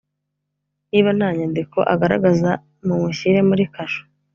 Niba ntanyandiko agaragaza mu mushyire muri kasho